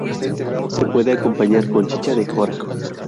Se puede acompañar con chicha de jora.